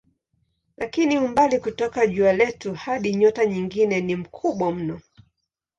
Lakini umbali kutoka jua letu hadi nyota nyingine ni mkubwa mno.